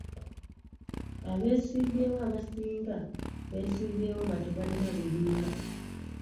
Abesimbyewo abasinga beesimbyewo nga tebalina bibiina.